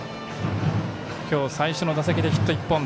今日最初の打席でヒット１本。